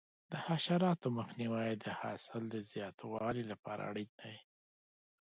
د حشراتو مخنیوی د حاصل د زیاتوالي لپاره اړین دی.